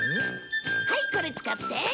はいこれ使って。